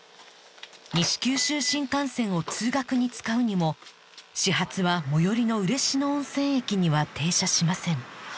西九州新幹線を通学に使うにも始発は最寄りの嬉野温泉駅には停車しません